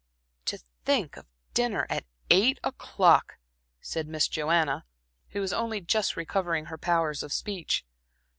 "To think of dinner at eight o'clock!" said Miss Joanna, who was only just recovering her powers of speech.